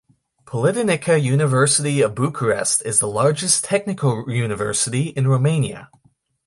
Politehnica University of Bucharest is the largest technical university in Romania.